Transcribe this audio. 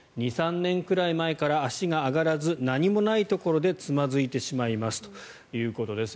２３年くらい前から足が上がらず何もないところでつまずいてしまいますということです。